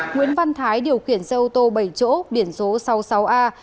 nguyễn văn thái điều khiển xe ô tô bảy chỗ điển số sáu mươi sáu a năm nghìn tám trăm tám mươi ba